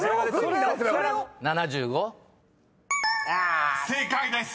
［正解です］